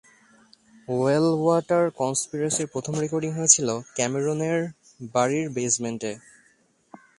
Wellwater কন্সপিরেসির প্রথম recording হয়েছিলো ক্যামেরনের বাড়ির বেজমেন্টে।